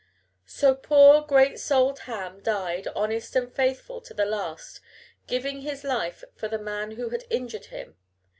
So poor, great souled Ham died, honest and faithful to the last, giving his life for the man who had injured him.